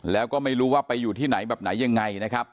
แล้วก็ไม่รู้ว่าไปอยู่ที่ไหนแบบไหนยังไงนะครับ